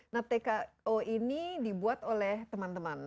nah tko ini dibuat oleh teman teman